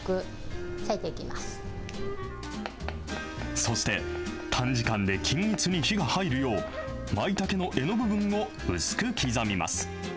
そして短時間で均一に火が入るよう、まいたけの柄の部分を薄く刻みます。